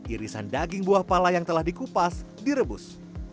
irisan daging buah pala yang telah dikupas direbus